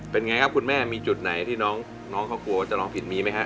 เป็นไงครับคุณแม่มีจุดไหนที่น้องเขากลัวว่าจะร้องผิดมีไหมฮะ